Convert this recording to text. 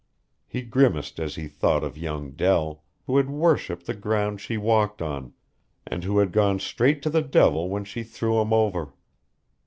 He grimaced as he thought of young Dell, who had worshiped the ground she walked on, and who had gone straight to the devil when she threw him over.